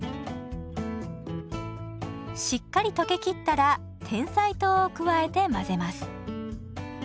しっかり溶けきったらてんさい糖を加えて混ぜます。